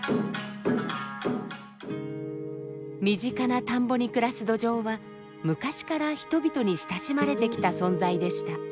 身近な田んぼに暮らすドジョウは昔から人々に親しまれてきた存在でした。